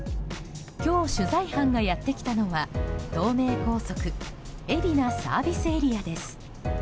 今日取材班がやってきたのは東名高速海老名ＳＡです。